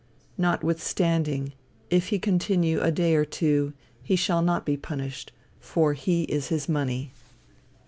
Notwithstanding, if he continue a day or two, he shall not be punished, for he is his money."